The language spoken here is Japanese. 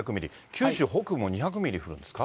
九州北部も２００ミリ降るんですか。